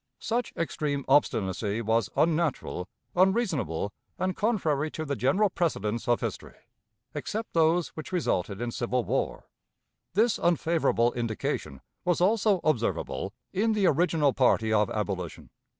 Such extreme obstinacy was unnatural, unreasonable, and contrary to the general precedents of history, except those which resulted in civil war. This unfavorable indication was also observable in the original party of abolition.